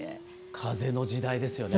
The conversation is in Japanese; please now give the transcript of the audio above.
風の時代ですよね。